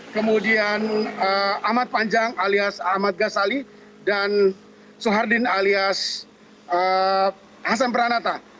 kemudian ahmad panjang alias ahmad ghasali dan soehardin alias hasan peranata